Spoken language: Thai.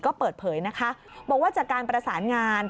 ก็เปิดเผยนะคะบอกว่าจากการประสานงาน